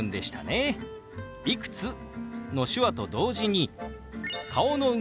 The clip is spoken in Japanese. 「いくつ？」の手話と同時に顔の動き